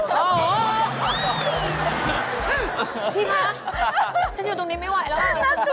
พี่คะฉันอยู่ตรงนี้ไม่ไหวแล้ว